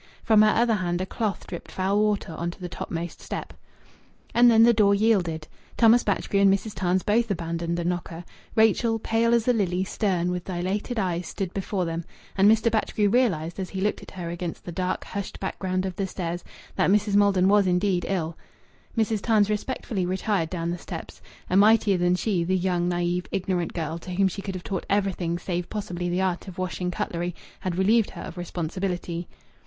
From her other hand a cloth dripped foul water on to the topmost step. And then the door yielded. Thomas Batchgrew and Mrs. Tarns both abandoned the knocker. Rachel, pale as a lily, stern, with dilated eyes, stood before them. And Mr. Batchgrew realized, as he looked at her against the dark, hushed background of the stairs, that Mrs. Maldon was indeed ill. Mrs. Tams respectfully retired down the steps. A mightier than she, the young, naïve, ignorant girl, to whom she could have taught everything save possibly the art of washing cutlery, had relieved her of responsibility.